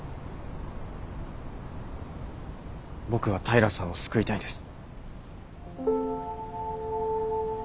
僕は平さんを救いたいです。